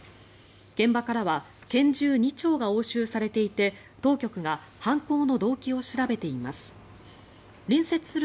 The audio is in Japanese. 現場からは拳銃２丁が押収されていて当局が犯行の動機を調べています。